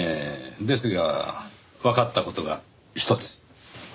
ですがわかった事がひとつ。